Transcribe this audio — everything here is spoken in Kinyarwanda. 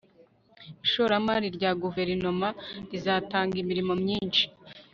ishoramari rya guverinoma rizatanga imirimo myinshi